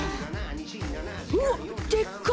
うわっでっか！